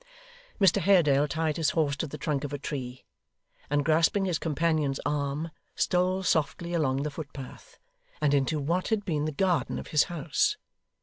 Mr Haredale tied his horse to the trunk of a tree, and grasping his companion's arm, stole softly along the footpath, and into what had been the garden of his house.